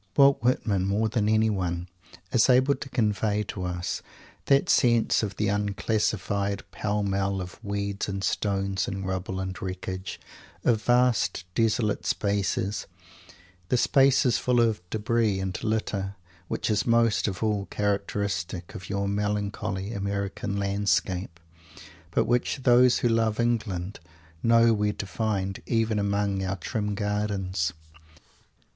Walt Whitman, more than anyone, is able to convey to us that sense of the unclassified pell mell, of weeds and stones and rubble and wreckage, of vast, desolate spaces, and spaces full of debris and litter, which is most of all characteristic of your melancholy American landscape, but which those who love England know where to find, even among our trim gardens!